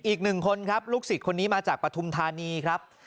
อีกหนึ่งคนครับลูกศิษย์คนนี้มาจากปฐุมธานีครับ